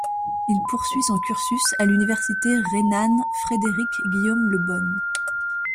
Il poursuit son cursus à l'université rhénane Frédéric-Guillaume de Bonn.